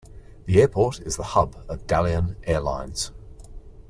The airport is the hub of Dalian Airlines.